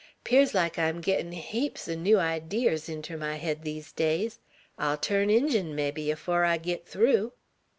'Pears like I'm gittin' heaps er new idears inter my head, these days. I'll turn Injun, mebbe, afore I git through!"